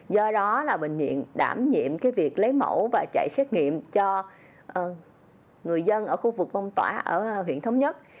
do đó là bệnh viện đảm nhiệm việc lấy mẫu và chạy xét nghiệm cho người dân ở khu vực phong tỏa ở huyện thống nhất